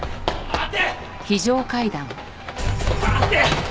待て！